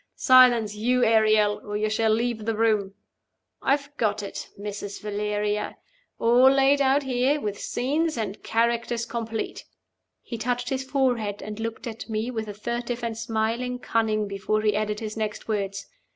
Silence, you Ariel, or you shall leave the room! I have got it, Mrs. Valeria, all laid out here, with scenes and characters complete." He touched his forehead, and looked at me with a furtive and smiling cunning before he added his next words.